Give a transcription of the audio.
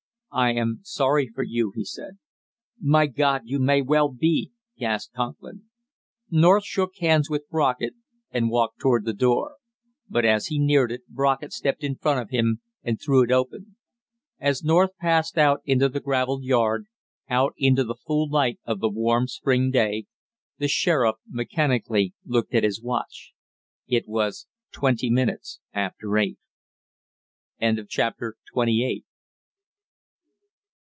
"I am sorry for you," he said. "My God, you may well be!" gasped Conklin. North shook hands with Brockett and walked toward the door; but as he neared it, Brockett stepped in front of him and threw it open. As North passed out into the graveled yard, out into the full light of the warm spring day, the sheriff mechanically looked at his watch. It was twenty minutes after eight.